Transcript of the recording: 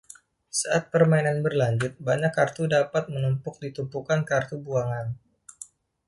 Saat permainan berlanjut, banyak kartu dapat menumpuk di tumpukan kartu buangan.